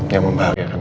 yang membahagiakan kamu